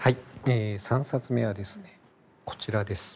え３冊目はですねこちらです。